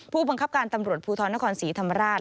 ผู้บังคับการตำรวจภูทรนครศรีธรรมราช